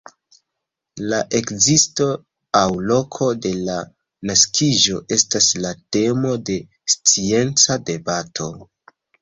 La ekzisto aŭ loko de la naskiĝo estas la temo de scienca debato.